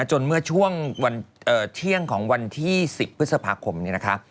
จนเมื่อช่วงวันเที่ยงของวันที่๑๐พฤษภาคมนี้นะคะ